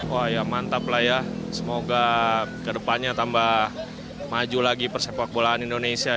wah ya mantap lah ya semoga kedepannya tambah maju lagi persepak bolaan indonesia